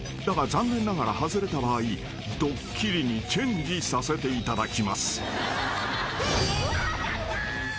［だが残念ながら外れた場合ドッキリにチェンジさせていただきます］